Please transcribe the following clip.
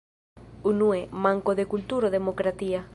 Unue: manko de kulturo demokratia.